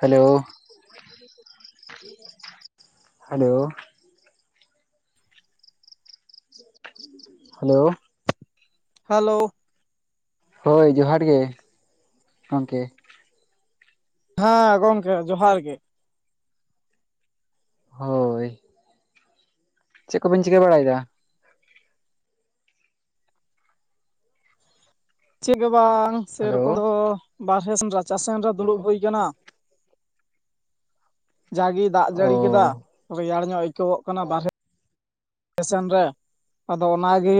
Hello! Hello! Hello! Hello! ᱦᱳᱭ ᱡᱚᱦᱟᱨ ᱜᱮ, ᱜᱚᱝᱠᱮ᱾ ᱦᱮᱸ ᱜᱚᱝᱠᱮ ᱡᱚᱦᱟᱨ ᱜᱮ᱾ ᱦᱳᱭ᱾ ᱪᱮᱫ ᱠᱚᱵᱮᱱ ᱪᱤᱠᱟᱹ ᱵᱟᱲᱟᱭᱮᱫᱟ? ᱪᱮᱫ ᱜᱮ ᱵᱟᱝ ᱦᱮᱞᱳ ᱥᱮᱨᱚᱠᱚᱢ ᱫᱚ ᱵᱟᱨᱦᱮ ᱥᱮᱱ ᱨᱟᱪᱟ ᱥᱮᱱ ᱨᱮ ᱫᱩᱲᱩᱵ ᱦᱳᱭ ᱠᱟᱱᱟ᱾ ᱡᱟᱜᱮᱭ ᱫᱟᱜ ᱚ ᱡᱟᱹᱲᱤ ᱠᱮᱫᱟ, ᱨᱮᱭᱟᱲ ᱧᱚᱜ ᱟᱹᱭᱠᱟᱹᱣᱚᱜ ᱠᱟᱱᱟ ᱵᱟᱨᱦᱮ ᱥᱮᱱ ᱨᱮ, ᱟᱫᱚ ᱚᱱᱟᱜᱮ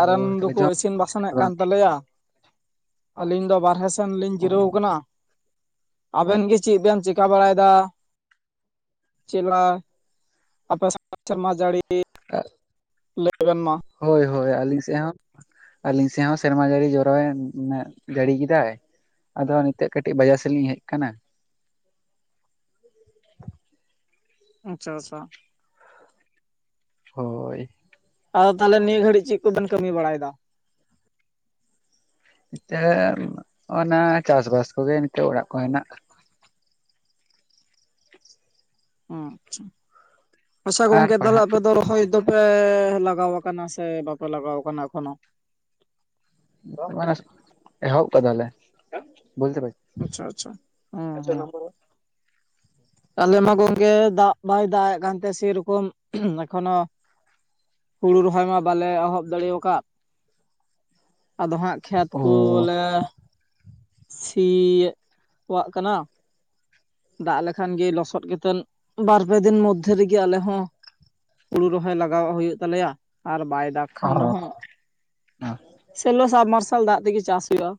ᱚ ᱨᱮᱱ ᱛᱟᱦᱚᱞᱮ ᱫᱚᱠᱚ ᱡᱚᱢ ᱤᱥᱤᱱ ᱵᱟᱥᱟᱝᱮᱫ ᱠᱟᱱ ᱵᱟᱝ ᱛᱟᱞᱮᱭᱟ᱾ ᱟᱹᱞᱤᱧ ᱫᱚ ᱵᱟᱨᱦᱮ ᱥᱮᱱ ᱞᱤᱧ ᱡᱤᱨᱟᱹᱣ ᱟᱠᱟᱱᱟ᱾ ᱟᱵᱮᱱ ᱜᱮ ᱪᱮᱫ ᱵᱮᱱ ᱪᱤᱠᱟ ᱵᱟᱲᱟᱭᱮᱫᱟ? ᱪᱮᱞᱟ, ᱟᱯᱮ [inaudible] ᱥᱮᱨᱢᱟ ᱡᱟᱹᱲᱤ [inaudible] ᱞᱟᱹᱭ ᱵᱮᱱ ᱢᱟ᱾ ᱦᱳᱭ ᱦᱳᱭ ᱟᱹᱞᱤᱧ ᱥᱮᱫ ᱦᱚᱸ᱾ ᱟᱹᱞᱤᱧ ᱥᱮᱫ ᱦᱚᱸ ᱥᱮᱨᱢᱟ ᱡᱟᱹᱲᱤ ᱡᱚᱨᱚᱭᱮᱱ ᱢᱟᱱᱮ ᱡᱟᱹᱲᱤ ᱠᱮᱫᱟᱭ᱾ ᱟᱫᱚ ᱱᱤᱛᱚᱜ ᱠᱟᱹᱴᱤᱡ ᱵᱟᱡᱟᱨ ᱥᱮᱜ ᱞᱤᱧ ᱦᱮᱡ ᱠᱟᱱᱟ᱾ ᱟᱪᱪᱷᱟ ᱟᱪᱪᱷᱟ᱾ ᱦᱳᱭ᱾ ᱟᱫᱚ ᱛᱟᱦᱚᱞᱮ ᱱᱤᱭᱟᱹ ᱜᱷᱟᱟᱹᱲᱤᱡ ᱪᱮᱫ ᱠᱚᱵᱮᱱ ᱠᱟᱢᱤ ᱵᱟᱲᱟᱭᱫᱟ? ᱛᱮ ᱱᱤᱛᱚᱜ ᱚᱱᱟ ᱪᱟᱥ ᱵᱟᱥ ᱠᱚᱜᱮ ᱱᱤᱛᱚᱜ ᱚᱲᱟᱜ ᱠᱚ ᱦᱮᱱᱟᱜ ᱩᱸ ᱟᱪᱪᱷᱟ, ᱟᱪᱪᱷᱟ ᱟᱨ ᱜᱚᱝᱠᱮ ᱛᱟᱦᱚᱞᱮ ᱯᱟᱲᱦᱟᱜ ᱟᱯᱮ ᱫᱚ ᱨᱚᱦᱚᱭ ᱫᱚ ᱯᱮᱻ ᱞᱟᱜᱟᱣ ᱟᱠᱟᱱᱟ ᱥᱮ ᱵᱟᱯᱮ ᱞᱟᱜᱟᱣ ᱟᱠᱟᱱᱟ ᱮᱠᱷᱚᱱᱚ? [unintelligible] ᱟᱪᱪᱷᱟ ᱟᱪᱪᱷᱟ ᱦᱩᱸ ᱦᱩᱸ᱾ ᱟᱞᱮ ᱢᱟ ᱜᱚᱝᱠᱮ ᱫᱟᱜ ᱵᱟᱭ ᱫᱟᱜ ᱮᱫ ᱠᱟᱱᱛᱮ ᱥᱮ ᱨᱚᱠᱚᱢ ᱮᱠᱷ ᱚᱱᱚ ᱦᱩᱲᱩ ᱨᱚᱦᱚᱭ ᱢᱟ ᱵᱟᱞᱮ ᱮᱦᱚᱵ ᱫᱟᱲᱮᱣᱠᱟᱫ ᱟᱫᱚ ᱦᱟᱸᱜ ᱠᱷᱮᱛ ᱚ ᱠᱚᱞᱮ ᱥᱤᱭᱮᱜ ᱭᱟ. ᱜ ᱠᱚᱣᱟᱜ ᱠᱟᱱᱟ᱾ ᱫᱟᱜ ᱞᱮᱠᱷᱟᱱ ᱜᱮ ᱞᱚᱥᱚᱫ ᱠᱟᱛᱮᱱ ᱵᱟᱨᱯᱮ ᱫᱤᱱ ᱢᱚᱫᱽᱫᱷᱮ ᱨᱮᱜᱮ ᱟᱞᱮᱦᱚᱸ ᱦᱩᱲᱩ ᱨᱚᱦᱚᱭ ᱞᱟᱜᱟᱣᱚᱜ ᱦᱩᱭᱩᱜ ᱛᱟᱞᱮᱭᱟ ᱟᱨ ᱵᱟᱭ ᱫᱟᱜ ᱠᱷᱟᱱ ᱫᱚ ᱦᱟᱜ, ᱥᱮᱞᱚ ᱥᱟᱵᱢᱟᱨᱥᱟᱞ ᱫᱟᱜ ᱛᱮᱜᱮ ᱪᱟᱥ ᱦᱩᱭᱩᱜᱼᱟ᱾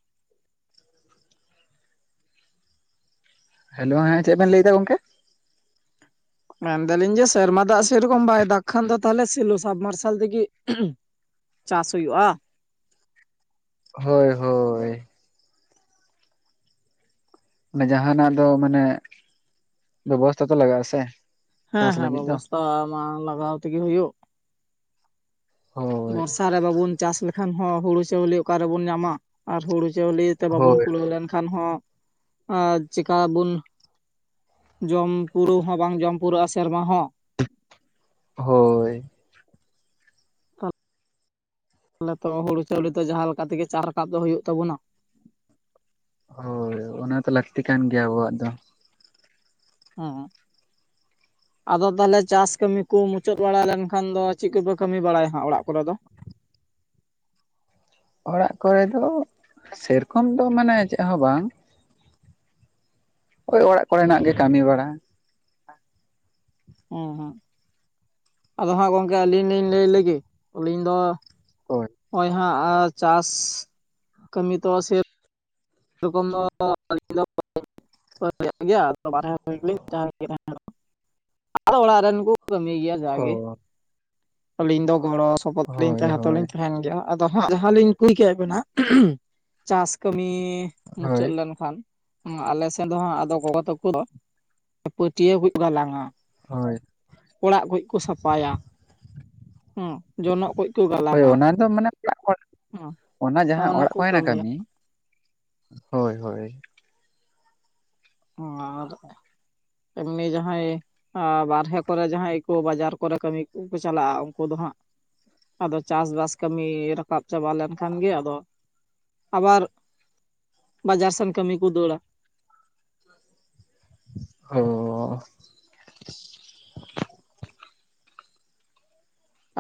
ᱦᱮᱞᱳ ᱦᱮᱸ ᱪᱮᱜ ᱵᱮᱱ ᱞᱟᱹᱭᱮᱫᱫᱟ ᱜᱚᱝᱠᱮ ᱢᱮᱱᱫᱟᱞᱤᱧ ᱡᱮ ᱥᱮᱨᱢᱟ ᱫᱟᱜ ᱥᱮᱨᱚᱠᱚᱢ ᱵᱟᱭ ᱫᱟᱜ ᱠᱷᱟᱱ ᱫᱚ ᱛᱟᱦᱞᱮ ᱥᱮᱞᱳ ᱥᱟᱵᱢᱟᱨᱥᱟᱞ ᱛᱮᱜᱤ ᱪᱟᱥ ᱦᱚᱭᱩᱜᱼᱟ᱾ ᱦᱳᱭ ᱦᱳᱭ᱾ ᱡᱟᱦᱟᱸᱱᱟᱜ ᱫᱚ ᱢᱟᱱᱮ ᱵᱮᱵᱚᱥᱛᱷᱟ ᱛᱚ ᱞᱟᱜᱟᱜ-ᱟ᱾ ᱥᱮ ᱦᱮᱸ ᱪᱟᱥ ᱦᱮᱸ ᱞᱟᱹᱜᱤᱫ ᱫᱚ ᱵᱮᱵᱚᱥᱛᱟ ᱢᱟ ᱞᱟᱜᱟᱣ ᱛᱮᱜᱮ ᱦᱚᱭᱳᱜ᱾ ᱦᱳᱭ ᱵᱚᱨᱥᱟ ᱨᱮ ᱵᱟᱵᱩᱱ ᱪᱟᱥ ᱞᱮᱠᱷᱟᱱ ᱦᱚᱸ ᱦᱩᱲᱩ ᱪᱟᱣᱞᱮ ᱚᱠᱟᱨᱮᱵᱚᱱ ᱧᱟᱢᱟ ᱟᱨ ᱦᱩᱲᱩ ᱪᱟᱣᱞᱮ ᱛᱮ ᱵᱟᱵᱚᱱ ᱦᱳᱭ ᱠᱩᱞᱟᱹᱣ ᱞᱮᱱᱠᱷᱟᱱ ᱦᱚᱸ ᱪᱮᱠᱟ ᱵᱩᱱ ᱡᱚᱢ ᱯᱩᱨᱟᱹᱣ ᱦᱚᱸ ᱵᱟᱝ ᱡᱚᱢ ᱯᱩᱨᱟᱹᱜᱼᱟ᱾ ᱥᱮᱨᱢᱟ ᱦᱚᱸ ᱦᱳᱭ᱾ ᱛᱟᱞᱮ ᱛᱚ ᱦᱩᱲᱩ ᱪᱟᱣᱞᱮ ᱫᱚ ᱡᱟᱦᱟᱸ ᱞᱮᱠᱟ ᱛᱮᱜᱮ ᱪᱟ ᱨᱟᱠᱟᱵ ᱫᱚ ᱦᱚᱭᱳᱜ ᱛᱟᱵᱚᱱᱟ᱾ ᱦᱳᱭ ᱚᱱᱟ ᱛᱚ ᱞᱟᱹᱠᱛᱤ ᱠᱟᱱ ᱜᱮᱭᱟ ᱟᱵᱚᱣᱟᱜ ᱫᱚ᱾ ᱦᱩᱸ [inaudible] ᱟᱫᱚ ᱛᱟᱦᱚᱞᱮ ᱪᱟᱥ ᱠᱟᱹᱢᱤ ᱠᱚ, ᱢᱩᱪᱟᱹᱫ ᱵᱟᱲᱟ ᱞᱮᱱᱠᱷᱟᱱ ᱫᱚ, ᱪᱮᱫ ᱠᱚᱯᱮ ᱠᱟᱹᱢᱤ ᱵᱟᱲᱟᱭᱟ ᱦᱟᱸᱜ ᱚᱲᱟᱜ ᱠᱚᱨᱮ ᱫᱚ᱾ ᱚᱲᱟᱜ ᱠᱚᱨᱮ ᱫᱚ ᱥᱮᱨᱚᱠᱚᱢ ᱫᱚ ᱢᱟᱱᱮ ᱪᱮᱫ ᱦᱚᱸ ᱵᱟᱝ ᱳᱭ ᱚᱲᱟᱜ ᱠᱚᱨᱮᱱᱟᱜ ᱜᱮ ᱠᱟᱹᱢᱤ ᱵᱟᱲᱟ᱾ ᱦᱩᱸ ᱦᱩᱸ ᱟᱫᱚ ᱦᱟᱸᱜ ᱜᱚᱝᱠᱮ ᱟᱹᱞᱤᱧ ᱞᱤᱧ ᱞᱟᱹᱭ ᱞᱮᱜᱮ ᱟᱹᱞᱤᱧ ᱫᱚ ᱦᱳᱭ᱾ ᱦᱳᱭ ᱦᱟᱸᱜ ᱪᱟᱥ ᱠᱟᱹᱢᱤ ᱛᱚ ᱥᱮ [unintelligible] [unintelligible] ᱳ ᱟᱞᱤᱧ ᱫᱚ ᱜᱚᱲᱚ ᱥᱚᱯᱚᱦᱚᱫ ᱦᱳᱭ ᱛᱟᱦᱮᱸ ᱦᱳᱭ ᱫᱚᱞᱤᱧ ᱛᱟᱦᱮᱱ ᱜᱮᱭᱟ᱾ ᱟᱫᱚ ᱦᱟᱸᱜ ᱡᱟᱦᱟᱸ ᱞᱤᱧ ᱠᱩᱞ ᱠᱮᱫ ᱵᱤᱱᱟ, ᱪᱟᱥ ᱠᱟᱹᱢᱤ ᱦᱳᱭ ᱢᱩᱪᱟᱹᱫ ᱞᱮᱱᱠᱷᱟᱱ ᱟᱞᱮ ᱥᱮᱱ ᱫᱚ ᱦᱟᱜ ᱟᱫᱚ ᱜᱚᱜᱚ ᱛᱟᱠᱩ ᱯᱟᱹᱴᱭᱟᱹ ᱠᱚ ᱜᱟᱞᱟᱝᱼᱟ᱾ ᱦᱳᱭ᱾ ᱚᱲᱟᱜ ᱠᱩ ᱠᱚ ᱥᱟᱯᱷᱟᱭᱟ᱾ ᱦᱮᱸ ᱡᱚᱱᱚᱜ ᱠᱚ ᱠᱚ ᱦᱳᱭ ᱜᱟᱞᱟᱝᱼᱟ ᱚᱱᱟᱫᱚ ᱢᱟᱱᱮ ᱚᱱᱟᱜ ᱦᱚᱲ ᱦᱮᱸ ᱚᱱᱟ ᱡᱟᱦᱟᱸ ᱚᱲᱟᱜ ᱠᱚ [unintelligible] ᱠᱟᱹᱢᱤ ᱦᱳᱭ ᱦᱳᱭ᱾ ᱟᱨ ᱮᱢᱱᱤ ᱡᱟᱦᱟᱸᱭ ᱟᱨ ᱵᱟᱨᱦᱮ ᱠᱚᱨᱮ ᱡᱟᱦᱟᱸᱭ ᱠᱩ ᱵᱟᱡᱟᱨ ᱠᱚᱨᱮ ᱠᱟᱹᱢᱤ ᱠᱚᱠᱚ ᱪᱟᱞᱟᱜᱼᱟ᱾ ᱩᱱᱠᱩ ᱫᱚ ᱦᱟᱸᱜ ᱟᱫᱚ ᱪᱟᱥᱵᱟᱥ ᱠᱟᱹᱢᱤ ᱨᱟᱠᱟᱵ ᱪᱟᱵᱟ ᱞᱮᱱᱠᱷᱟᱱ ᱜᱮ ᱟᱫᱚ ᱟᱵᱟᱨ ᱵᱟᱡᱟᱨ ᱥᱮᱱ ᱠᱟᱹᱢᱤ ᱠᱩ ᱫᱟᱹᱲᱟ᱾ ᱦᱚᱸᱸ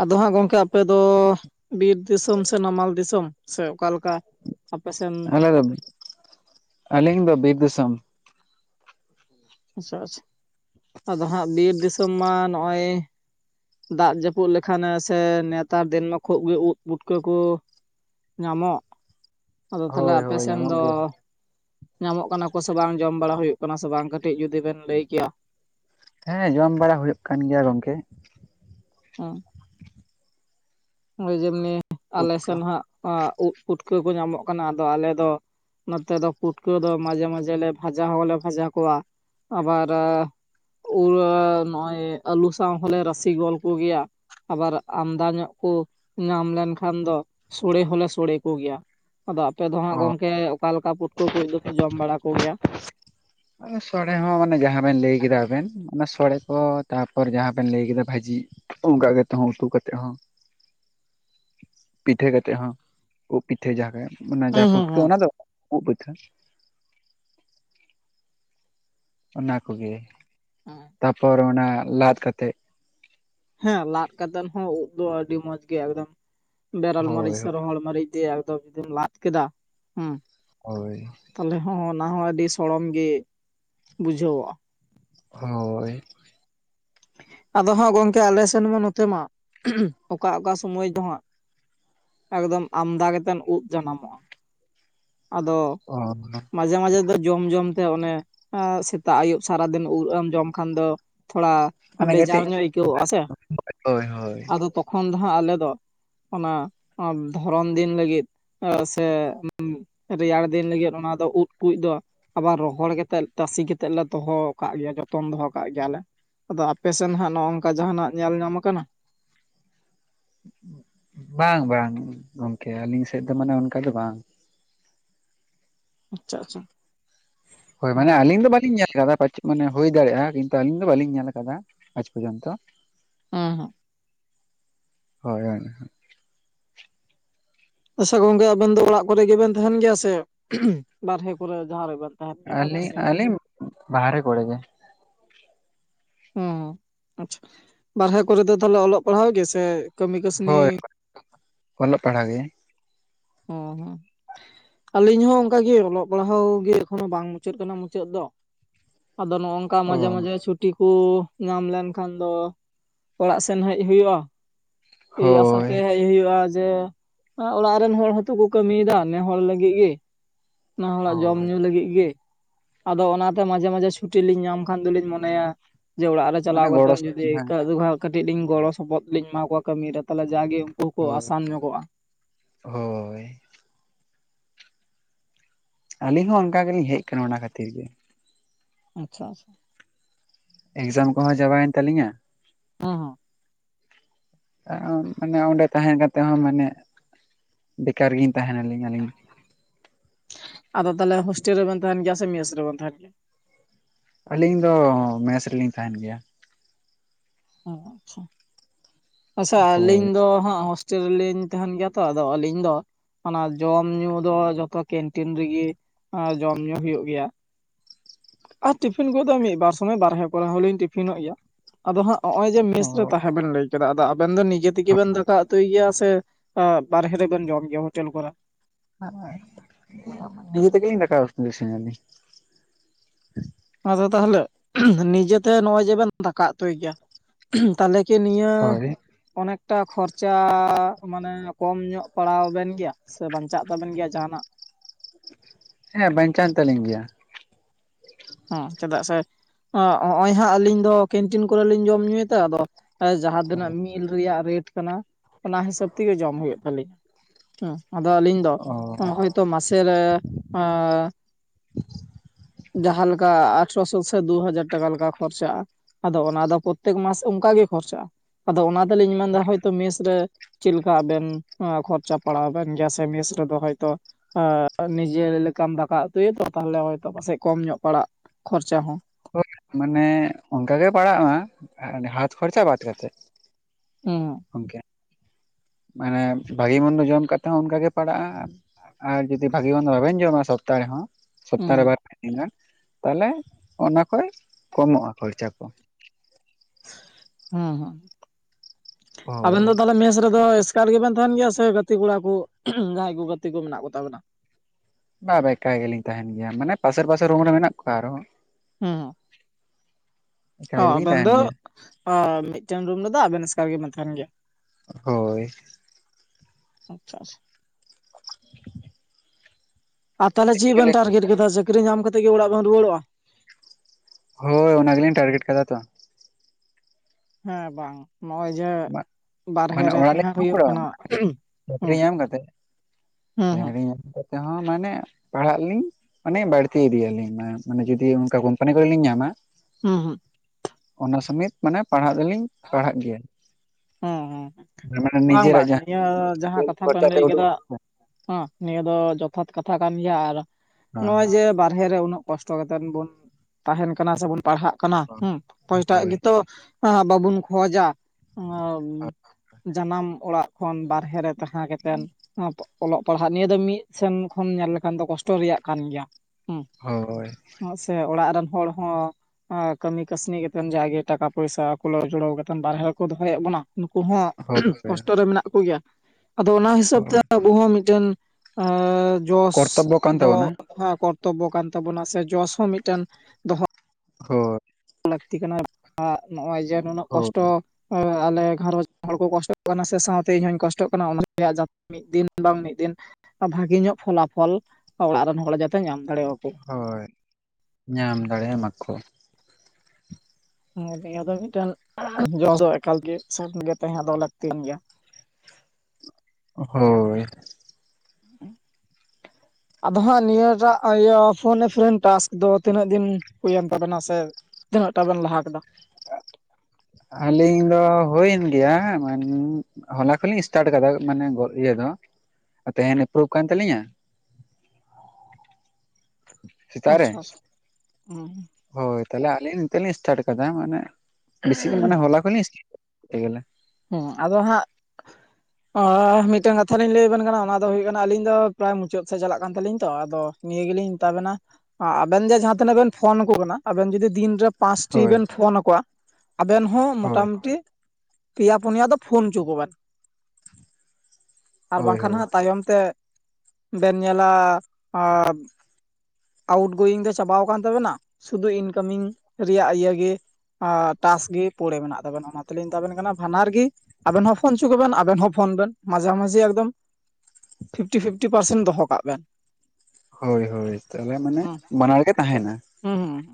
ᱟᱫᱚ ᱦᱟᱸᱜ ᱜᱚᱝᱠᱮ ᱟᱯᱮ ᱫᱚ, ᱵᱤᱨ ᱫᱤᱥᱚᱢ ᱥᱮᱜ ᱱᱟᱢᱟᱞ ᱫᱤᱥᱚᱢ ᱥᱮᱜ [unintelligible] ᱟᱹᱞᱤᱧ ᱫᱚ ᱵᱤᱨ ᱫᱤᱥᱚᱢ᱾ ᱟᱪᱪᱷᱟ ᱟᱪᱪᱷᱟ ᱟᱫᱚ ᱦᱟᱸᱜ ᱵᱤᱨ ᱫᱤᱥᱚᱢ ᱢᱟ ᱱᱚᱜᱼᱚᱭ ᱫᱟᱜ ᱡᱟᱹᱯᱩᱫ ᱞᱮᱠᱷᱟᱱᱮ ᱥᱮ ᱱᱮᱛᱟᱨ ᱫᱤᱱ ᱢᱟ ᱠᱷᱩᱵ ᱜᱮ ᱩᱫᱽ ᱯᱩᱴᱠᱟᱹ ᱠᱚ ᱧᱟᱢᱚᱜ ᱟᱫᱚ ᱛᱟᱦᱞᱮ ᱦᱳᱭ ᱦᱳᱭ ᱟᱯᱮᱥᱮᱱ ᱧᱟᱢᱚᱜ ᱫᱚ ᱜᱮᱭᱟ ᱾ ᱧᱟᱢᱚᱜ ᱠᱟᱱᱟ ᱠᱚ ᱥᱮ ᱵᱟᱝ ᱡᱚᱢ ᱵᱟᱲᱟ ᱦᱩᱭᱩᱜ ᱠᱟᱱᱟ ᱥᱮ ᱵᱟᱝ ᱠᱟᱹᱴᱤᱡ ᱡᱩᱫᱤ ᱵᱮᱱ ᱞᱟᱹᱭ ᱠᱮᱭᱟ᱾ ᱦᱮᱸ ᱡᱚᱢ ᱵᱟᱲᱟ ᱦᱩᱭᱩᱜ ᱠᱟᱱ ᱜᱮᱭᱟ ᱜᱚᱝᱠᱮ᱾ ᱦᱚᱸ᱾ ᱱᱚᱜ ᱡᱮᱢᱱᱤ ᱩᱫ ᱠᱚ ᱟᱞᱮᱥᱮᱱ ᱦᱟᱸᱜ ᱩᱫᱽ ᱯᱩᱴᱠᱟᱹ ᱠᱚ ᱧᱟᱢᱚᱜ ᱠᱟᱱᱟ ᱟᱫᱚ ᱟᱞᱮ ᱫᱚ ᱱᱚᱛᱮ ᱫᱚ ᱯᱩᱴᱠᱟᱹ ᱫᱚ ᱢᱟᱡᱷᱮ ᱢᱟᱡᱷᱮ ᱞᱮ ᱵᱷᱟᱡᱟ ᱦᱚᱸᱞᱮ ᱵᱷᱟᱡᱟ ᱠᱚᱣᱟ ᱟᱵᱟᱨ ᱩᱨᱟᱹ ᱱᱚᱜᱚᱭ ᱟᱹᱞᱩ ᱥᱟᱶ ᱦᱚᱞᱮ ᱨᱟᱥᱮ ᱜᱚᱞ ᱠᱚᱜᱮᱭᱟ ᱟᱵᱟᱨ ᱟᱢᱫᱟ ᱧᱚᱜ ᱠᱚ ᱧᱟᱢ ᱞᱮᱱᱠᱷᱟᱱ ᱫᱚ ᱥᱚᱲᱮ ᱦᱚᱞᱮ ᱥᱚᱲᱮ ᱠᱚᱜᱮᱭᱟ᱾ ᱟᱫᱚ ᱟᱯᱮ ᱫᱚ ᱦᱟᱸᱜ ᱚ ᱜᱚᱝᱠᱮ ᱚᱠᱟᱞᱮᱠᱟ ᱯᱩᱴᱠᱟᱹ ᱠᱟᱹᱡ ᱫᱚᱯᱮ ᱡᱚᱢ ᱵᱟᱲᱟ ᱠᱚᱜᱮᱭᱟ? ᱥᱚᱲᱮ ᱦᱚᱸ ᱢᱟᱱᱮ ᱡᱟᱦᱟᱸ ᱵᱮᱱ ᱞᱟᱹᱭ ᱠᱮᱫᱟ ᱟᱵᱮᱱ ᱚᱱᱟ ᱥᱚᱲᱮ ᱠᱚ ᱛᱟᱯᱚᱨ ᱡᱟᱦᱟᱸ ᱵᱮᱱ ᱞᱟᱹᱭ ᱠᱮᱫᱟ ᱵᱷᱟᱹᱡᱤ᱾ ᱚᱱᱠᱟ ᱠᱟᱛᱮ ᱦᱚ, ᱸ ᱩᱛᱩ ᱠᱟᱛᱮᱜ ᱦᱚᱸ, ᱯᱤᱴᱷᱟᱹ ᱠᱟᱛᱮᱜ ᱦᱚᱸ᱾ ᱩᱫᱽ ᱯᱤᱴᱷᱟᱹ ᱡᱟᱦᱟᱸ ᱢᱟᱱᱮ ᱡᱟ ᱦᱩᱸ ᱦᱩᱸ ᱯᱷᱩᱴᱠᱟᱹ ᱦᱩᱸ ᱚᱱᱟ ᱫᱚ ᱩᱫᱽ ᱯᱤᱴᱷᱟᱹ᱾ ᱚᱱᱟ ᱠᱚᱜᱮ ᱛᱟᱯᱚᱨ ᱚᱱᱟ ᱞᱟᱫ ᱠᱟᱛᱮᱜ᱾ ᱦᱮᱸ ᱞᱟᱫ ᱠᱟᱛᱮᱫ ᱦᱚᱸ ᱩᱫᱽ ᱫᱚ ᱟᱹᱰᱤ ᱢᱚᱸᱡᱽ ᱜᱮ ᱮᱠᱫᱚᱢ ᱵᱮᱨᱮᱞ ᱢᱟᱨᱤᱪ ᱦᱳᱭ ᱥᱮ ᱨᱚᱦᱚᱲ ᱢᱟᱹᱨᱤᱪ ᱫᱤᱭᱟᱹ [unintelligible] ᱞᱟᱫ ᱠᱮᱫᱟ ᱦᱮᱸ ᱦᱳᱭ᱾ ᱦᱚᱸ ᱚᱱᱟ ᱦᱚᱸ ᱟᱹᱰᱤ ᱥᱚᱲᱚᱢ ᱜᱮ ᱵᱩᱡᱷᱟᱹᱣᱜᱼᱟ᱾ ᱦᱳᱭ᱾ ᱟᱫᱚ ᱦᱟᱸᱜ ᱜᱚᱝᱠᱮ ᱟᱞᱮ ᱥᱮᱱ ᱢᱟ ᱱᱚᱛᱮ ᱢᱟ ᱚᱠᱟ ᱚᱠᱟ ᱥᱩᱢᱚᱭ ᱫᱚ ᱦᱟᱸᱜ ᱮᱠᱫᱚᱢ ᱟᱢᱫᱟ ᱠᱟᱛᱮᱱ ᱩᱫ ᱡᱟᱱᱟᱢᱚᱜᱼᱟ, ᱟᱫᱚ ᱚ᱾ ᱢᱟᱡᱷᱮ ᱢᱟᱡᱷᱮ ᱫᱚ ᱡᱚᱢ ᱡᱚᱢᱛᱮ ᱚᱱᱮ ᱥᱮᱛᱟᱜ ᱟᱹᱭᱩᱵ ᱥᱟᱨᱟᱫᱤᱱ ᱩᱫᱽ ᱮᱢ ᱡᱚᱢ ᱠᱷᱟᱱ ᱫᱚ᱾ ᱛᱷᱚᱲᱟ ᱢᱟᱱᱮ ᱵᱮᱡᱟᱨ ᱠᱟᱹᱴᱤᱡ ᱧᱚᱜ ᱟᱹᱭᱠᱟᱹᱣᱚᱜ ᱟ ᱥᱮ ᱦᱳᱭ ᱦᱳᱭ ᱟᱫᱚ ᱛᱚᱠᱷᱚᱱ ᱫᱚ ᱦᱟᱸᱟᱜ ᱟᱞᱮ ᱫᱚ᱾ ᱚᱱᱟ ᱚᱱᱟ ᱫᱷᱚᱨᱚᱱ ᱫᱤᱱ ᱞᱟᱹᱜᱤᱫ᱾ ᱥᱮ ᱨᱮᱭᱟᱲ ᱫᱤᱱ ᱞᱟᱹᱜᱤᱫ ᱚᱱᱟ ᱫᱚ ᱩᱫᱽ ᱠᱩᱡ ᱫᱚ᱾ ᱟᱵᱟᱨ ᱨᱚᱦᱚᱲ ᱠᱟᱛᱮᱜ ᱛᱟᱥᱮ ᱠᱟᱛᱮᱜ ᱞᱮ ᱫᱚᱦᱚ ᱠᱟᱜ ᱜᱮᱭᱟ ᱡᱚᱛᱚᱱ ᱫᱚᱦᱚ ᱠᱟᱜ ᱜᱮᱭᱟᱞᱮ, ᱟᱫᱚ ᱯᱮᱥᱮᱱ ᱦᱟᱜ ᱱᱚᱜ ᱱᱚᱝᱠᱟ ᱡᱟᱦᱱᱟᱜ ᱧᱮᱞ ᱧᱟᱢ ᱟᱠᱟᱱᱟ? ᱵᱟᱝ ᱵᱟᱝ ᱜᱚᱝᱠᱮ ᱟᱞᱤᱧ ᱥᱮᱫ ᱫᱚ ᱢᱟᱱᱮ ᱚᱱᱠᱟ ᱫᱚ ᱵᱟᱝ᱾ ᱟᱪᱪᱷᱟ ᱟᱪᱪᱷᱟ᱾ ᱦᱳᱭ ᱢᱟᱱᱮ ᱦᱮᱸ ᱟᱞᱤᱧ ᱫᱚ ᱵᱟᱞᱤᱧ ᱧᱮᱞ ᱟᱠᱟᱫᱟ ᱢᱟᱱᱮ ᱦᱳᱭ ᱫᱟᱲᱮᱭᱟᱜᱼᱟ ᱠᱤᱱᱛᱩ ᱟᱹᱞᱤᱧ ᱫᱚ ᱵᱟᱞᱤᱧ ᱧᱮᱞ ᱟᱠᱟᱫᱟ ᱟᱡᱽ ᱯᱚᱨᱡᱚᱱᱛᱚ᱾ ᱚ ᱦᱚᱸ᱾ ᱦᱳᱭ ᱦᱚᱭ᱾ ᱟᱪᱪᱷᱟ ᱜᱚᱝᱠᱮ ᱟᱵᱮᱱ ᱫᱚ ᱚᱲᱟᱜ ᱠᱚᱨᱮ ᱜᱮᱵᱮᱱ ᱛᱟᱦᱮᱱ ᱜᱮᱭᱟ ᱥᱮ ᱵᱟᱦᱨᱮ ᱠᱚᱨᱮ ᱡᱟᱦᱟᱸ ᱨᱮᱵᱮᱱ? ᱛᱟᱦᱮᱱ ᱜᱮᱭᱟ ᱵᱟᱡᱟᱨ ᱟᱞᱤ ᱥᱮᱫ ᱨᱮ ᱟᱞᱤᱧ ᱵᱟᱦᱨᱮ ᱠᱚᱨᱮ ᱜᱮ᱾ ᱦ ᱟᱪᱪᱷᱟ ᱵᱟᱦᱨᱮ ᱠᱚᱨᱮ ᱫᱚ ᱛᱟᱦᱞᱮ ᱚᱞᱚᱜ ᱯᱟᱲᱦᱟᱣ ᱜᱮᱥᱮ᱾ ᱦᱳᱭ ᱦᱳᱭ ᱚᱞᱚᱜ ᱯᱟᱲᱦᱟ ᱜᱮ᱾ ᱚᱸ ᱦᱚᱸ᱾ ᱟᱹᱞᱤᱧ ᱦᱚᱸ ᱚᱝᱠᱟᱜᱮ ᱚᱞᱚᱜ ᱯᱟᱲᱦᱟᱣ ᱜᱮ ᱮᱠᱷᱚᱱᱚ ᱵᱟᱝ ᱢᱩᱪᱟᱹᱫ ᱠᱟᱱᱟ ᱢᱩᱪᱟᱹᱫ ᱫᱚ᱾ ᱟᱫᱚ ᱱᱚᱜ ᱱᱚᱝᱠᱟ ᱚ ᱢᱟᱡᱷᱮ ᱢᱟᱡᱷᱮ ᱪᱷᱩᱴ ᱴᱤ ᱠᱚ ᱧᱟᱢ ᱞᱮᱱ ᱠᱷᱟᱱ ᱫᱚ ᱚᱲᱟᱜ ᱥᱮᱱ ᱦᱚᱸ ᱦᱮᱡ ᱦᱩᱭᱩᱜᱼᱟ᱾ ᱤᱭᱟᱹ ᱦᱳᱭ ᱟᱥᱟᱛᱮ ᱦᱮᱡ ᱦᱩᱭᱩᱜᱼᱟ ᱡᱮ ᱚᱲᱟᱜ ᱨᱮᱱ ᱦᱚᱲ ᱦᱛᱚ ᱠᱚ ᱠᱢᱤᱭᱮᱫᱟ ᱱᱮ ᱦᱚᱲ ᱞᱟᱹᱜᱤᱫ ᱜᱮ ᱚᱱᱟ ᱦᱚᱲᱟᱜ ᱡᱚᱢ ᱦᱳᱭ ᱧᱩ ᱞᱟᱹᱜᱤᱫ ᱜᱮ᱾ ᱟᱫᱚ ᱚᱱᱟᱛᱮ ᱢᱟᱡᱷᱮ ᱢᱟᱡᱷᱮ ᱪᱷᱩᱴᱤ ᱞᱤᱧ ᱧᱟᱢ ᱠᱷᱟᱱ ᱫᱚᱞᱤᱧ ᱢᱚᱱᱮᱭᱟ ᱡᱮ ᱚᱲᱟᱜ ᱨᱮ ᱢᱟᱱᱮ ᱪᱟᱞᱟᱣ ᱠᱟᱛᱮᱫ ᱜᱚᱲᱚ ᱦᱚᱸ ᱡᱩᱫᱤ ᱥᱚᱯᱚᱦᱚᱫ ᱦᱮᱸ ᱮᱠᱟ ᱫᱩᱜᱷᱟᱣ ᱠᱟᱹᱴᱤᱡ ᱞᱤᱧ ᱜᱚᱲᱚ ᱥᱚᱯᱚᱦᱚᱫ ᱞᱤᱧ ᱮᱢᱟᱣᱠᱚᱣᱟ ᱠᱟᱹᱢᱤ ᱨᱮ ᱛᱟᱦᱚᱞᱮ ᱡᱟ ᱜᱮ, ᱦᱳᱣ, ᱦᱳ, ᱟᱹᱞᱤᱧ ᱦᱚᱸ ᱚᱱᱠᱟ ᱜᱮᱞᱤᱧ ᱦᱮᱡ ᱠᱟᱱᱟ ᱚᱱᱟ ᱠᱷᱟᱹᱛᱤᱨ ᱜᱮ, ᱟᱪᱪᱷᱟ, ᱟᱪᱪᱷᱟ, ᱮᱠᱡᱟᱢ ᱠᱚᱦᱚᱸ ᱪᱟᱵᱟᱭᱮᱱ ᱛᱟᱞᱤᱧᱟ, ᱦᱚᱸ, ᱦᱚᱸ, ᱢᱟᱱᱮ ᱚᱸᱰᱮ ᱛᱟᱦᱮᱸ ᱠᱟᱛᱮ ᱦᱚᱸ ᱢᱟᱱᱮ ᱵᱮᱠᱟᱨ ᱜᱤᱧ ᱛᱟᱦᱮᱱᱟᱞᱤᱧ ᱟᱹᱞᱤᱧ᱾ ᱟᱫᱚ ᱛᱟᱦᱟᱞᱮ ᱦᱳᱥᱴᱮᱞ ᱨᱮᱵᱮᱱ ᱛᱟᱦᱮᱱ ᱜᱮᱭᱟ ᱥᱮ ᱢᱮᱥ ᱨᱮᱵᱮᱱ ᱛᱟᱦᱮᱸᱱ ᱜᱮᱭᱟ? ᱟᱹᱞᱤᱧ ᱫᱚ ᱢᱮᱥ ᱨᱮᱞᱤᱧ ᱛᱟᱦᱮᱸᱱ ᱜᱮᱭᱟ᱾ ᱚ ᱟᱪᱪᱷᱟ, ᱟᱪᱪᱷᱟ ᱦᱳᱭ ᱟᱹᱞᱤᱧ ᱫᱚ ᱦᱟᱸᱜ ᱦᱳ- ᱥᱴᱮᱞ ᱨᱮᱞᱤᱧ ᱛᱟᱦᱮᱸᱱ ᱜᱮᱭᱟ ᱛᱚ ᱟᱫᱚ ᱟᱹᱞᱤᱧ ᱫᱚ ᱚᱱᱟ ᱡᱚᱢ ᱧᱩ ᱫᱚ ᱡᱷᱚᱛᱚ ᱠᱮᱱᱴᱤᱱ ᱨᱤᱜᱤ ᱡᱚᱢ ᱧᱩ ᱦᱩᱭᱩᱜ ᱜᱮᱭᱟ᱾ ᱟᱨ ᱴᱤᱯᱷᱤᱱ ᱠᱚᱫᱚ ᱢᱤᱫ ᱵᱟᱨ ᱥᱚᱢᱚᱭ ᱵᱟᱨᱦᱮ ᱠᱚᱨᱮ ᱦᱚᱸ ᱦᱚᱞᱤᱧ ᱴᱤᱯᱷᱤᱱᱚᱜ ᱜᱮᱭᱟ᱾ ᱟᱫᱚ ᱦᱟᱸᱜ ᱱᱚᱜ ᱚᱭ ᱡᱮ ᱚ ᱢᱤᱥ ᱨᱮ ᱛᱟᱦᱮᱸᱵᱮᱱ ᱞᱟᱹᱭ ᱠᱮᱫᱟ ᱟᱫᱚ ᱟᱵᱮᱱ ᱫᱚ ᱱᱤᱡᱮ ᱛᱮᱜᱮᱵᱮᱱ ᱫᱟᱠᱟ ᱩᱛᱩᱭ ᱜᱮᱭᱟ ᱥᱮ ᱵᱟᱨᱦᱮ ᱨᱮᱵᱮᱱ ᱡᱚᱢ ᱜᱮᱭᱟ ᱦᱳᱴᱮᱞ ᱠᱚᱨᱮ? ᱱᱤᱡᱮ ᱛᱮᱜᱮᱞᱤᱧ ᱫᱟᱠᱟ ᱩᱛᱩ ᱤᱥᱤᱱᱟᱞᱤᱧ᱾ ᱟᱫᱚ ᱛᱟᱦᱚᱞᱮ ᱱᱤᱡᱮᱛᱮ ᱱᱚᱜ ᱚᱭ ᱡᱮᱵᱮᱱ ᱫᱟᱠᱟ ᱩᱛᱩᱭ ᱜᱮᱭᱟ ᱛᱟᱦᱚᱞᱮ ᱠᱤ ᱱᱤᱭᱟᱹ ᱦᱳᱭ ᱚᱱᱮᱠ ᱮᱠᱴᱟ ᱠᱷᱚᱨᱪᱟ ᱢᱟᱱᱮ ᱠᱚᱢ ᱧᱚᱜ ᱯᱟᱲᱟᱣᱵᱮᱱ ᱜᱮᱭᱟ ᱥᱮ ᱵᱟᱧᱪᱟᱜ ᱛᱟᱵᱮᱱ ᱜᱮᱭᱟ ᱡᱟᱦᱟᱱᱟᱜ? ᱦᱮᱸ ᱵᱟᱧᱪᱟᱣᱮᱱ ᱛᱟᱹᱞᱤᱧ ᱜᱮᱭᱟ᱾ ᱦᱮᱸ ᱪᱮᱫᱟᱜ ᱥᱮ ᱱᱚᱜᱼᱚᱭ ᱦᱟᱸᱜ ᱟᱞᱤᱧ ᱫᱚ ᱠᱮᱱᱴᱤᱱ ᱠᱚᱨᱮ ᱞᱤᱧ ᱡᱚᱢ ᱧᱩᱭᱟ ᱛᱚ ᱟᱫᱚ ᱡᱟᱦᱟᱸ ᱛᱤᱱᱟᱹᱜ ᱦᱳᱭ, ᱢᱤᱞ ᱨᱮᱭᱟᱜ ᱨᱮᱴ ᱠᱟᱱᱟ ᱚᱱᱟ ᱦᱤᱥᱟᱹᱵ ᱛᱮᱜᱮ ᱡᱚᱢ ᱦᱩᱭᱩᱜ ᱛᱟᱞᱤᱧᱟ᱾ ᱦᱮᱸ, ᱟᱫᱚ ᱟᱹᱞᱤᱧ ᱫᱚ ᱚ [unintelligible] ᱛᱚ ᱢᱟᱥᱮ ᱨᱮ ᱮ ᱡᱟᱦᱟᱸ ᱞᱮ ᱠᱟ ᱟᱴᱷᱨᱚᱥᱚ ᱥᱮ ᱫᱩ ᱦᱟᱡᱟᱨ ᱴᱟᱠᱟ ᱞᱮᱠᱟ ᱠᱷᱚᱨᱪᱟᱜᱼᱟ᱾ ᱟᱫᱚ ᱚᱱᱟᱫᱚ ᱯᱨᱚᱛᱛᱮᱠ ᱢᱟᱥ ᱚᱱᱠᱟ ᱜᱮ ᱠᱷᱚᱨᱪᱟᱜᱼᱟ ᱟᱫᱚ ᱚᱱᱟ ᱛᱮᱞᱤᱧ ᱢᱮᱱᱫᱟ ᱦᱚᱭᱛᱳ ᱢᱮᱥ ᱨᱮ ᱪᱮᱫ ᱞᱮᱠᱟ ᱟᱵᱮᱱ ᱠᱷᱚᱨᱪᱟ ᱯᱟᱲᱟᱣ ᱟᱵᱮᱱ ᱜᱮᱭᱟ ᱥᱮ ᱢᱮᱥ ᱨᱮᱫᱚ ᱦᱳᱭᱛᱚ ᱚ ᱱᱤᱡᱮ ᱞᱮᱠᱟᱢ ᱫᱟᱠᱟ ᱩᱛᱩᱭᱟᱛᱚ ᱛᱟᱦᱞᱮ ᱦᱚᱭᱛᱚ ᱯᱟᱥᱮᱺ ᱠᱚᱢ ᱧᱚᱜ ᱯᱟᱲᱟᱜ ᱠᱷᱚᱨᱪᱟ ᱦᱚᱸ, ᱦᱳᱭ ᱢᱟᱱᱮ ᱚᱱᱠᱟ ᱜᱮ ᱯᱟᱲᱟᱜᱼᱟ ᱦᱟᱛ ᱠᱷᱚᱨᱪᱟ ᱵᱟᱫ ᱠᱟᱛᱮᱫ, ᱦᱩᱸ, ᱜᱟᱝᱠᱮ, ᱢᱟᱱᱮ ᱵᱷᱟᱜᱤ ᱢᱚᱱᱫᱚ ᱡᱚᱢ ᱠᱟᱛᱮᱫ ᱦᱚᱸ ᱚᱱᱠᱟᱜ ᱜᱮ ᱯᱟᱲᱟᱜᱼᱟ ᱟᱨ ᱡᱩᱫᱤ ᱵᱷᱟᱜᱮ ᱢᱚᱱᱫᱚ ᱵᱟᱵᱮᱱ ᱡᱚᱢᱟ ᱥᱚᱯᱛᱟ ᱨᱮᱦᱚᱸ ᱥᱚᱯᱛᱟᱦᱚᱨᱮ ᱦᱩᱸ ᱵᱟᱨ ᱯᱮ ᱫᱤᱱ ᱜᱟᱱ, ᱛᱟᱦᱚᱞᱮ ᱚᱱᱟ ᱠᱷᱚᱭ ᱠᱚᱢᱚᱜᱼᱟ ᱠᱷᱚᱨᱪᱟ ᱠᱚ, ᱦᱚᱸ ᱦᱚᱸ ᱟᱵᱮᱱ ᱦᱳᱭ ᱫᱚ ᱛᱟᱦᱞᱮ ᱢᱮᱥ ᱨᱮᱫᱚ ᱮᱥ ᱠᱟᱨ ᱜᱮᱵᱮᱱ ᱛᱟᱦᱮᱸᱱ ᱜᱮᱭᱟ ᱥᱮ ᱜᱟᱛᱤ ᱠᱚᱲᱟ ᱠᱩ ᱡᱟᱦᱟᱸᱭ ᱠᱩ ᱜᱟᱛᱤ ᱠᱩ ᱢᱮᱱᱟᱜ ᱠᱚᱩᱛᱟ ᱵᱮᱱᱟ? ᱵᱟ ᱵᱟ ᱮᱠᱟᱭ ᱜᱮᱞᱤᱧ ᱛᱟᱦᱮᱸᱱ ᱜᱮᱭᱟ ᱢᱟᱱᱮ ᱯᱟᱥᱮᱨ ᱯᱟᱥᱮᱨ ᱨᱩᱢ ᱨᱮ ᱢᱮᱱᱟᱜ ᱠᱚᱣᱟ ᱟᱨᱚ, ᱦᱩᱸ, ᱮᱠᱟᱭ ᱚ ᱜᱮᱞᱤᱧ ᱟᱵᱮᱱ ᱛᱟᱦᱮᱱ ᱫᱚ ᱜᱮᱭᱟ ᱚ ᱢᱤᱫᱴᱮᱱ ᱨᱩᱢ ᱨᱮᱫᱚ ᱟᱵᱮᱱ ᱮᱥᱠᱟᱨ ᱜᱮᱵᱮᱱ ᱛᱟᱦᱮᱱ ᱜᱮᱭᱟ? ᱦᱳᱭ, ᱟᱪᱪᱷᱟ, ᱟᱪᱪᱷᱟ, ᱟᱨ ᱛᱟᱦᱚᱞᱮ ᱪᱮᱫ ᱮᱠᱪᱩᱭᱮᱞᱤ ᱵᱮᱱ ᱴᱟᱨᱜᱮᱴ ᱠᱟᱫᱟ ᱪᱟᱹᱠᱨᱤ ᱧᱟᱢ ᱠᱟᱛᱮᱜ ᱜᱮ ᱚᱲᱟᱜ ᱵᱮᱱ ᱨᱩᱭᱟᱹᱲᱚᱜᱼᱟ? ᱦᱳᱭ ᱚᱱᱟ ᱜᱮᱞᱤᱧ ᱴᱟᱨᱜᱮᱴ ᱠᱮᱫᱟ ᱛᱚ᱾ ᱦᱮᱸ ᱵᱟᱝ, ᱱᱚᱜᱼᱚᱭ ᱡᱮ ᱵᱟᱨᱦᱮ ᱢᱟᱱᱮ ᱨᱮ ᱚᱲᱟᱜ ᱞᱤᱧ ᱛᱟᱦᱮᱸ ᱦᱩᱭᱩᱜ ᱨᱚᱯᱚᱲᱚᱜᱼᱟ ᱠᱟᱱᱟ ᱦᱩᱹ, ᱪᱟᱹᱠᱨᱤ ᱧᱟᱢ ᱠᱟᱛᱮ [inaudible] ᱧᱟᱢ ᱠᱟᱛᱮ ᱦᱚᱸ ᱢᱟᱱᱮ ᱯᱟᱲᱦᱟ ᱟᱹᱞᱤᱧ ᱾ ᱢᱟᱱᱮ ᱵᱟᱹᱲᱛᱤ ᱤᱫᱤᱭᱟ ᱞᱤᱧ ᱢᱟᱱᱮ ᱡᱩᱫᱤ ᱚᱱᱠᱟ ᱠᱳᱢᱯᱟᱱᱤ ᱠᱚᱨᱮᱞᱤᱧ ᱧᱟᱢᱟ, ᱦᱩᱸ ᱦᱩᱸ ᱚᱱᱟ ᱥᱚᱢᱮᱛ ᱢᱟᱱᱮ ᱯᱟᱲᱦᱟᱜ ᱫᱚᱞᱤᱧ ᱯᱟᱲᱦᱟᱜ ᱜᱮᱭᱟ᱾ ᱦᱩᱸ ᱦᱩᱸ ᱢᱟᱱᱮ ᱱᱤᱡᱮᱨᱟᱜ ᱵᱟᱝ ᱡᱟᱦᱟᱸ ᱵᱟᱝ ᱱᱤᱭᱟᱹ ᱠᱷᱮᱞ ᱡᱟᱦᱟᱸ ᱠᱟᱛᱷᱟ ᱠᱷᱚᱨᱪᱟ ᱵᱮᱱ ᱛᱮ ᱞᱟᱹᱭ ᱩᱰᱩᱠ ᱠᱮᱫᱟ, ᱦᱮᱸ ᱱᱤᱭᱟᱹ ᱫᱚ ᱡᱚᱛᱷᱟᱛ ᱠᱟᱛᱷᱟ ᱠᱟᱱ ᱜᱮᱭᱟ᱾ ᱟᱨ ᱱᱚᱜ -ᱚᱭ ᱡᱮ ᱵᱟᱨᱦᱮ ᱨᱮ ᱩᱱᱟᱹᱜ ᱠᱚᱥᱴᱚ ᱠᱟᱛᱮᱫ ᱵᱚᱱ ᱛᱟᱦᱮᱱ ᱠᱟᱱᱟ ᱥᱮᱵᱚᱱ ᱯᱟᱲᱦᱟᱜ ᱠᱟᱱᱟ ᱦᱮᱸ ᱚᱠᱚᱭᱴᱟᱜ ᱦᱳᱭ ᱜᱮᱛᱚ ᱦᱟᱸᱜ ᱵᱟᱵᱚᱱ ᱠᱷᱚᱡᱟ ᱡᱟᱱᱟᱢ ᱚᱲᱟᱜ ᱠᱷᱚᱱ ᱵᱟᱨᱦᱮ ᱨᱮ ᱛᱟᱦᱮᱸ ᱠᱟᱛᱮᱫ ᱦᱮᱸ ᱛᱚ ᱚᱞᱚᱜ ᱯᱟᱲᱦᱟᱜ ᱱᱤᱭᱟᱹ ᱫᱚ ᱢᱤᱫᱥᱮᱱ ᱠᱷᱚᱱ ᱧᱮᱞ ᱞᱮᱠᱷᱟᱱ ᱫᱚ ᱠᱚᱥᱴᱚ ᱨᱮᱭᱟᱜ ᱠᱟᱱ ᱜᱮᱭᱟ ᱦᱩᱸ ᱾ ᱦᱳᱭ ᱾ ᱥᱮ ᱚᱲᱟᱜ ᱨᱮᱱ ᱦᱚᱲ ᱦᱚᱸ, ᱠᱟᱹᱢᱤ ᱠᱟᱹᱥᱱᱤ ᱠᱟᱛᱟᱱ ᱡᱟᱜᱮ ᱴᱟᱠᱟ ᱯᱚᱭᱥᱟ ᱠᱩᱲᱟᱹᱣ ᱡᱚᱲᱟᱣ ᱵᱟᱨᱦᱮ ᱠᱚ ᱫᱚᱦᱚᱭᱮᱫ ᱵᱚᱱᱟ ᱱᱩᱠᱩ ᱦᱚᱸ ᱦᱳᱭ ᱠᱚᱥᱴᱚ ᱨᱮ ᱢᱮᱱᱟᱜ ᱠᱚᱜᱮᱭᱟ ᱾ᱟᱫᱚ ᱚᱱᱟ ᱦᱤᱥᱟᱹᱵ ᱛᱮ ᱦᱳᱭ ᱟᱵᱚ ᱦᱚᱸ ᱢᱤᱫᱴᱮᱱ ᱡᱚᱥ ᱠᱚᱨᱛᱚᱵᱵᱚ ᱠᱟᱱ ᱛᱟᱵᱚᱱᱟ ᱫᱚ ᱠᱚᱨᱛᱚᱵᱽᱵᱚ ᱠᱟᱱ ᱛᱟᱵᱚᱱᱟ ᱥᱮ ᱡᱚᱥ ᱦᱚᱸ ᱢᱤᱫᱴᱮᱱ ᱫᱚᱦᱚ ᱦᱳᱭ ᱾ ᱞᱟᱹᱠᱛᱤ ᱠᱟᱱᱟ ᱟᱨ ᱱᱚᱜᱼᱚᱭ ᱡᱮ ᱱᱩᱱᱟᱹᱜ ᱠᱚᱥᱴᱚ ᱦᱳᱭ ᱟᱞᱮ ᱜᱷᱟᱸᱨᱚᱧᱡᱽ ᱦᱚᱲ ᱠᱚ ᱠᱚᱥᱴᱚᱜ ᱠᱟᱱᱟ ᱥᱮ ᱥᱟᱶᱛᱮ ᱤᱧ ᱦᱚᱧ ᱠᱚᱥᱴᱚᱜ ᱠᱟᱱᱟ᱾ ᱚᱱᱟ ᱡᱟ ᱢᱤᱫ ᱫᱤᱱ ᱵᱟᱝ ᱢᱤᱫ ᱫᱤᱱ ᱵᱷᱟᱜᱮᱹ ᱧᱚᱜ ᱯᱷᱚᱞᱟᱯᱷᱚᱞ ᱚᱲᱟᱜ ᱨᱮᱱ ᱦᱚᱲ ᱡᱟᱛᱮ ᱧᱟᱢ ᱫᱟᱲᱮᱣᱟᱠᱚ ᱾ ᱦᱳᱭ, ᱧᱟᱢ ᱫᱟᱲᱮᱭ ᱢᱟᱠᱚ ᱾ ᱦᱩᱸ ᱱᱤᱭᱟᱹ ᱫᱚ ᱢᱤᱫᱴᱮᱱ ᱡᱚᱥ ᱫᱚ ᱮᱠᱟᱞᱜᱮ ᱥᱚᱛ ᱜᱮ ᱛᱟᱦᱮᱸ ᱫᱚ ᱞᱟᱹᱠᱛᱤ ᱠᱟᱱ ᱜᱮᱭᱟ᱾ ᱦᱳᱭ ᱾ [unintelligible] ᱟᱫᱚ ᱦᱟᱸᱜ ᱱᱤᱭᱟᱹᱴᱟᱜ ᱤᱭᱟᱹ ᱯᱷᱳᱱ ᱮ ᱯᱷᱨᱮᱱᱰ ᱴᱟᱥᱠ ᱫᱚ ᱛᱤᱱᱟᱹᱜ ᱫᱤᱱ ᱦᱩᱭᱮᱱ ᱛᱟᱵᱮᱱᱟ ᱥᱮ ᱛᱤᱱᱟᱹᱜ ᱴᱟᱜ ᱵᱮᱱ ᱞᱟᱦᱟ ᱠᱮᱫᱟ? ᱟᱹᱞᱤᱧ ᱫᱚ ᱦᱩᱭᱮᱱ ᱜᱮᱭᱟ ᱢᱟᱱ ᱦᱚᱞᱟ ᱠᱷᱚᱱᱞᱤᱧ ᱥᱴᱟᱨᱴ ᱠᱟᱫᱟ ᱢᱟᱱᱮ ᱤᱭᱟᱹ ᱫᱚ, ᱛᱟᱦᱮᱱ ᱮᱯᱨᱩᱵᱷ ᱠᱟᱱ ᱛᱟᱞᱤᱧᱟ ᱾ ᱥᱮᱛᱟᱜ ᱨᱮ ᱟᱪᱪᱷᱟ ᱟᱪᱪᱷᱟ ᱦᱩᱸ ᱾ ᱦᱳᱭ ᱛᱟᱦᱚᱞᱮ ᱟᱹᱞᱤᱧ ᱱᱤᱛᱚᱜ ᱞᱤᱧ ᱥᱤᱴᱟᱫ ᱠᱟᱫᱟ ᱢᱟᱱᱮ ᱵᱮᱥᱤ ᱢᱟᱱᱮ ᱦᱚᱞᱟ ᱠᱷᱚᱱ ᱞᱤᱧ [inaudible] ᱵᱚᱞᱛᱮ ᱜᱮᱞᱮ ᱾ ᱦᱩᱸ ᱟᱫᱚ ᱦᱟᱸᱜ [inaudible] ᱢᱤᱫᱴᱟᱝ ᱠᱟᱛᱷᱟ ᱞᱤᱧ ᱞᱟᱹᱭ ᱟᱵᱮᱱ ᱠᱟᱱᱟ ᱚᱱᱟ ᱫᱚ ᱦᱳᱭᱳᱜ ᱠᱟᱱᱟ ᱟᱹᱞᱤᱧ ᱫᱚ ᱯᱨᱟᱭ ᱢᱩᱪᱟᱹᱫ ᱥᱮᱫ ᱪᱟᱞᱟᱜ ᱠᱟᱱ ᱛᱟᱞᱤᱧ ᱟᱛᱚ ᱟᱫᱚ ᱱᱤᱭᱟᱹ ᱜᱮᱞᱤᱧ ᱢᱮᱛᱟ ᱵᱮᱱᱟ ᱟᱵᱮᱱ ᱡᱮ ᱡᱟᱦᱟᱸᱛᱤᱱᱟᱹᱜ ᱵᱮᱱ ᱯᱷᱳᱱ ᱟᱠᱚ ᱠᱟᱱᱟ ᱟᱵᱮᱱ ᱡᱩᱫᱤ ᱫᱤᱱ ᱨᱮ ᱯᱟᱸᱪᱴᱤ ᱦᱳᱭ ᱵᱮᱱ ᱯᱷᱳᱱ ᱟᱠᱚᱣᱟ, ᱟᱹᱵᱤᱱ ᱦᱚᱸ ᱢᱚᱴᱟ ᱦᱳᱭ ᱢᱩᱴᱤ ᱯᱮᱭᱟ ᱯᱩᱱᱭᱟ ᱫᱚ ᱯᱷᱳᱱ ᱚᱪᱚ ᱠᱚᱵᱮᱱ ᱟᱨ ᱦᱳᱭ ᱵᱟᱝᱠᱷᱟᱱ ᱦᱳᱭ ᱦᱟᱸᱜ ᱛᱟᱭᱚᱢ ᱛᱮ ᱵᱮᱱ ᱧᱮᱞᱟ ᱟᱣᱩᱴᱜᱳᱭᱤᱝ ᱫᱚ ᱪᱟᱵᱟᱣ ᱟᱠᱟᱱ ᱛᱟᱵᱮᱱᱟ, ᱥᱩᱫᱷᱩ ᱤᱱᱠᱟᱢᱤᱝ ᱨᱮᱭᱟᱜ ᱤᱭᱟᱹᱜᱮ ᱴᱟᱠᱥ ᱜᱤ ᱯᱚᱲᱮ ᱢᱮᱱᱟᱜ ᱛᱟᱵᱮᱱᱟ ᱚᱱᱟ ᱛᱮᱞᱤᱧ ᱢᱮᱛᱟᱵᱤᱱ ᱠᱟᱱᱟ ᱵᱟᱱᱟᱨ ᱜᱮ ᱟᱵᱮᱱ ᱦᱚᱸ ᱯᱷᱳᱱ ᱦᱚᱪᱚ ᱠᱚ ᱵᱮᱱ, ᱟᱵᱮᱱ ᱦᱚᱸ ᱯᱷᱳᱱ ᱵᱮᱱ᱾ ᱢᱟᱡᱷᱮ ᱢᱟᱡᱷᱮ ᱮᱠᱫᱚᱢ ᱯᱷᱤᱯᱴᱤ ᱯᱷᱤᱯᱴᱤ ᱯᱟᱨᱥᱮᱱᱴ ᱫᱚᱦᱚ ᱠᱟᱜ ᱵᱮᱱ ᱾ ᱦᱳᱭ ᱦᱳᱭ ᱛᱟᱦᱚᱞᱮ ᱢᱟᱱᱮ ᱦᱩᱸ ᱵᱟᱱᱟᱨ ᱜᱮ ᱛᱟᱦᱮᱱᱟ᱾ ᱦᱩᱸ ᱦᱩᱸ ᱾